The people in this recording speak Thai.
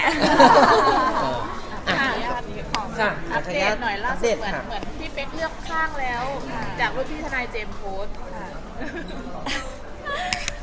อัพเดทหน่อยล่ะเหมือนพี่เป๊กเลือกข้างแล้วจากพี่ทนายเจมส์โพสต์